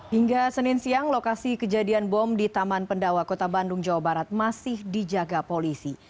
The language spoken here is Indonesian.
hingga senin siang lokasi kejadian bom di taman pendawa kota bandung jawa barat masih dijaga polisi